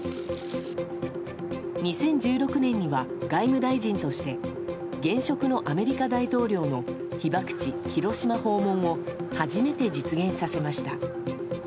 ２０１６年には外務大臣として現職のアメリカ大統領の被爆地・広島訪問を初めて実現させました。